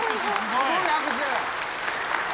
すごい拍手。